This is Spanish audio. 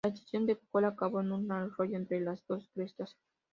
La sección de cola acabó en un arroyo entre las dos crestas.